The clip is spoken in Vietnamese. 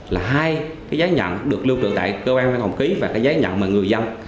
là hai cái giấy nhận được lưu trữ tại cơ quan văn phòng ký và cái giấy nhận mà người dân